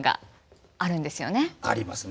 ありますね。